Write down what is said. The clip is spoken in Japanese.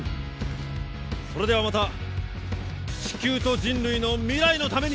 それではまた地球と人類の未来のために。